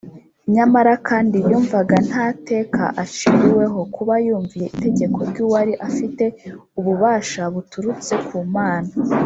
nyamara kandi yumvaga nta teka aciriweho kuba yumviye itegeko ry’Uwari afite ububasha buturutse ku Mana